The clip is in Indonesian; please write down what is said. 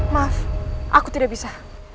maaf aku tidak bisa